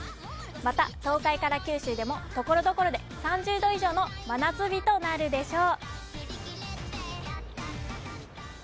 また東海から九州でも、ところどころで３０度以上の真夏日となるでしょう。